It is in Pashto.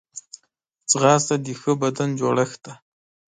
ځغاسته د ښه بدن جوړښت دی